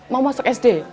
mau masuk sd